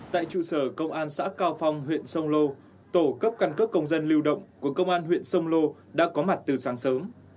tại trụ sở công an xã cao phong huyện sông lô tổ cấp căn cước công dân lưu động của công an huyện sông lô đã có mặt từ sáng sớm